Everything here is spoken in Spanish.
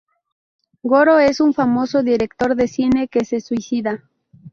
Goro es un famoso director de cine que se suicida.